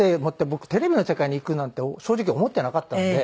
僕テレビの世界に行くなんて正直思ってなかったので。